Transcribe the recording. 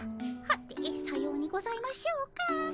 はてさようにございましょうか。